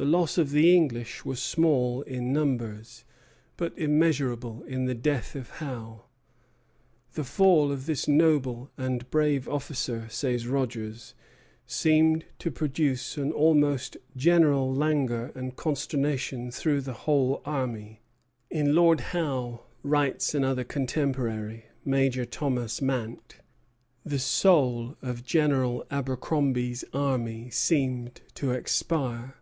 The loss of the English was small in numbers, but immeasurable in the death of Howe. "The fall of this noble and brave officer," says Rogers, "seemed to produce an almost general languor and consternation through the whole army." "In Lord Howe," writes another contemporary, Major Thomas Mante, "the soul of General Abercromby's army seemed to expire.